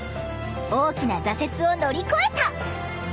大きな挫折を乗り越えた！